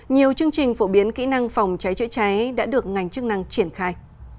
nhiều chương trình phổ biến kỹ năng phòng cháy chữa cháy đã được ngành chức năng triển khai